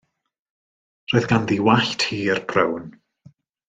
Roedd ganddi wallt hir brown.